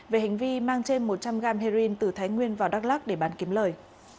về hành vi mang trên một trăm linh gram heroin từ thái nguyên vào đắk lắc để bán kiếm lời